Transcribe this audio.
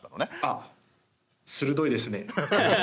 ああ、鋭いですね。